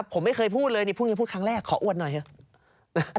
ผมไม่เคยพูดเลยนี่พรุ่งนี้พูดครั้งแรกขออวดหน่อยเถอะ